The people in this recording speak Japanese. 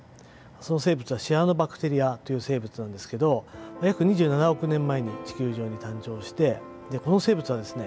その生物はシアノバクテリアという生物なんですけど約２７億年前に地球上に誕生してこの生物はですね